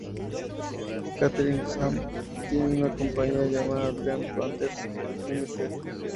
Catherine y Sam tienen una compañía llamada "Dream Partners Limited".